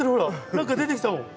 何か出てきたもん。